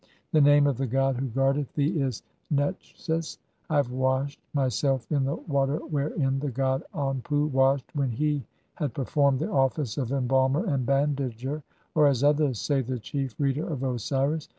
The name of the god "who guardeth thee is Netchses. I have washed myself in the "water wherein (3i) the god Anpu washed when he had per formed the office of embalmer and bandager," or as others say, "the Chief reader of Osiris.